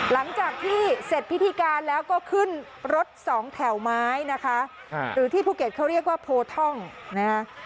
หลังจากที่เสร็จพิธีการแล้วก็ขึ้นรถสองแถวไม้นะคะหรือที่ภูเก็ตเขาเรียกว่าโพท่องนะคะ